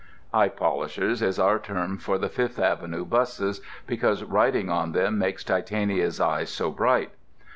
"Eye polishers" is our term for the Fifth Avenue busses, because riding on them makes Titania's eyes so bright.